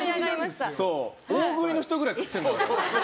大食いの人ぐらい食ってるから。